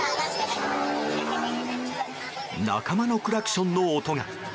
仲間のクラクションの音が。